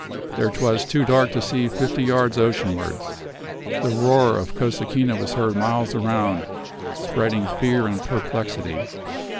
There 'twas too dark to see fifty yards oceanwards. The roar of Cosequina was heard miles around, spreading fear and perplexity.